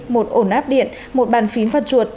một ổn áp điện một bàn phím và chuột